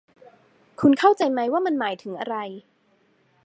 คุณเข้าใจไหมว่ามันหมายถึงอะไร